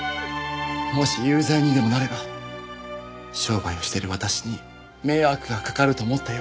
もし有罪にでもなれば商売をしている私に迷惑がかかると思ったようです。